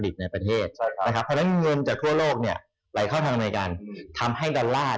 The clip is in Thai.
เศรษฐกิจฟื้นตัว